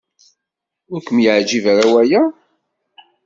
Ur kem-yeɛjib ara waya?